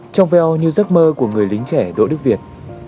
trong veo như giấc mơ của người lính trẻ đỗ đức việt